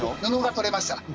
布が取れました。